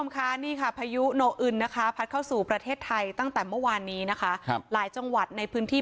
กว่าประเทศไทยตั้งแต่เมื่อวานนี้นะคะหลายจังหวัดในพื้นที่